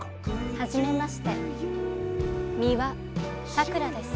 はじめまして美羽さくらです。